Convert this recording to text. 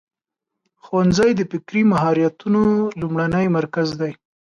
ښوونځی د فکري مهارتونو لومړنی مرکز دی.